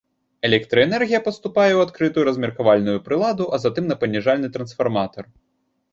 Электраэнергія паступае ў адкрытую размеркавальную прыладу, а затым на паніжальны трансфарматар.